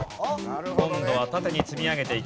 今度は縦に積み上げていきます。